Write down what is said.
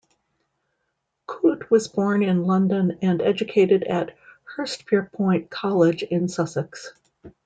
Coote was born in London and educated at Hurstpierpoint College in Sussex.